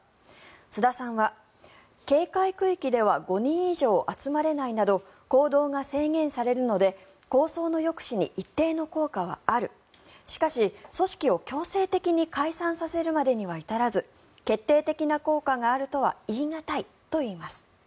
須田さんは警戒区域では５人以上集まれないなど行動が制限されるので抗争の抑止に一定の効果はあるしかし、組織を強制的に解散させるまでには至らず決定的な効果があるとは言い難いといいます。